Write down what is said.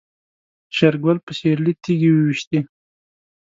شېرګل په سيرلي تيږې وويشتې.